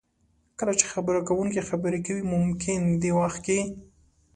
کله چې خبرې کوونکی خبرې کوي ممکن دې وخت کې